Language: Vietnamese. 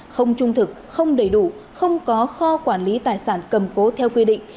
không trung thực không đầy đủ không có kho quản lý tài sản cầm cố theo quy định